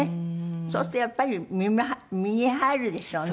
そうするとやっぱり身に入るでしょうね